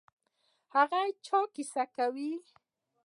هغه چا کیسه کوي.